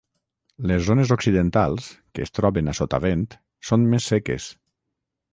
Les zones occidentals, que es troben a sotavent, són més seques.